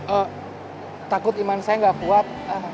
oh takut iman saya gak kuat